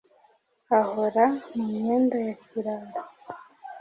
Ahora mumyenda ya kirara